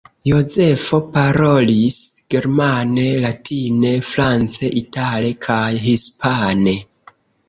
Jozefo parolis germane, latine, france, itale kaj hispane.